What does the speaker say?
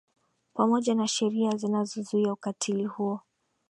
pamoja na sheria zinazozuia ukatili huo